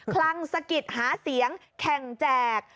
คลังสะกิดหาเสียงแข่งแจก